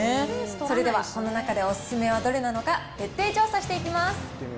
それではこの中でお勧めはどれなのか、徹底調査していきます。